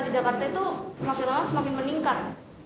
di jakarta itu semakin lama semakin meningkat